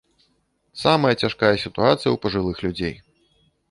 Самая цяжкая сітуацыя ў пажылых людзей.